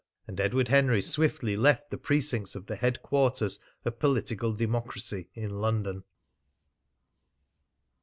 And Edward Henry swiftly left the precincts of the headquarters of political democracy in London.